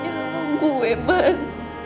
aku nunggu emang